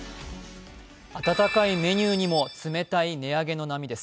温かいメニューにも冷たい値上げの波です。